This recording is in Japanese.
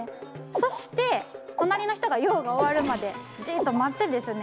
そして隣の人が用が終わるまでじっと待ってですね